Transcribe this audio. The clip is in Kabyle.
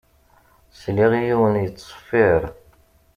Sliɣ i yiwen yettṣeffiṛ.